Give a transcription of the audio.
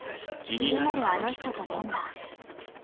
気になるあの人と飲んだ。